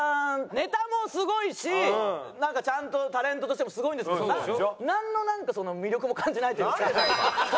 ネタもすごいしちゃんとタレントとしてもすごいんですけどなんの魅力も感じないというか特徴がないというか。